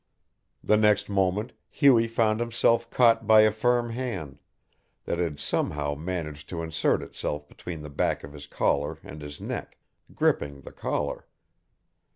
The next moment Hughie found himself caught by a firm hand, that had somehow managed to insert itself between the back of his collar and his neck, gripping the collar.